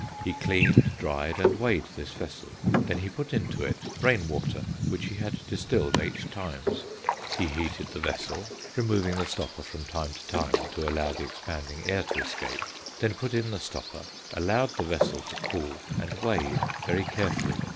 He cleaned, dried, and weighed this vessel; then he put into it rain water which he had distilled eight times; he heated the vessel, removing the stopper from time to time to allow the expanding air to escape, then put in the stopper, allowed the vessel to cool, and weighed very carefully.